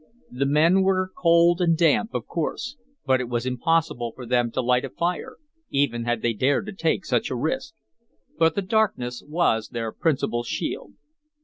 The men were cold and damp, of course, but it was impossible for them to light a fire, even had they dared to take such a risk. But the darkness was their principal shield.